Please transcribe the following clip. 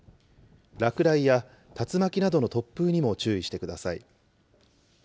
落雷や竜巻などの突風にも注意してください。